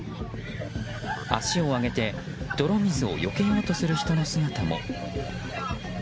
足を上げて、泥水をよけようとする人の姿も。